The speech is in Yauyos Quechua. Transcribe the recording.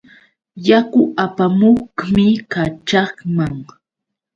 Yaku apamuqmi kaćhaqman.